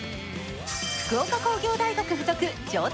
福岡工業大学附属城東